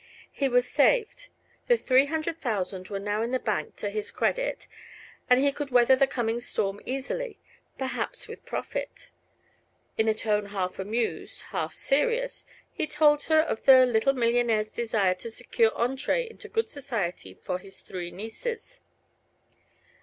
He was saved. The three hundred thousand were now in the bank to his credit and he could weather the coming storm easily perhaps with profit. In a tone half amused, half serious, he told her of the little millionaire's desire to secure entrée into good society for his three nieces.